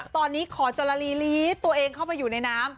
ตอนนี้ขอจรลีลีดตัวเองเข้าไปอยู่ในน้ำ